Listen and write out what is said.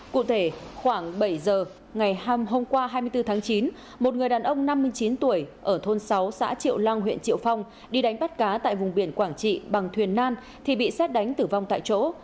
cụ thể khoảng bảy giờ ngày hôm qua hai mươi bốn tháng chín một người đàn ông năm mươi chín tuổi ở thôn sáu xã triệu lang huyện triệu phong đi đánh bắt cá tại vùng biển quảng trị bằng thuyền nan thì bị xét đánh tử vong tại chỗ